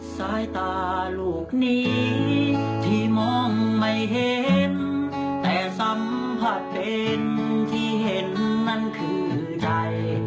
สายตาลูกนี้ที่มองไม่เห็นแต่สัมผัสเป็นที่เห็นนั่นคือใด